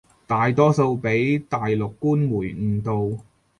大多數畀大陸官媒誤導